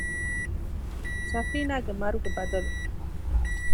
ސަފީނާގެ މަރުގެ ބަދަލު